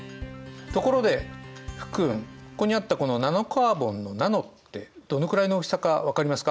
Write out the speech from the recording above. ところで福君ここにあったこの「ナノカーボン」の「ナノ」ってどのくらいの大きさか分かりますか？